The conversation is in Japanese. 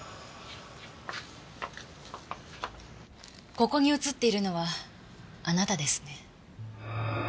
ここに映っているのはあなたですね？